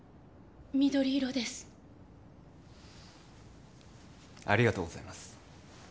緑色ですありがとうございます